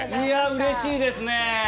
うれしいですね。